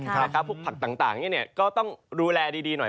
พวกผักต่างก็ต้องดูแลดีหน่อย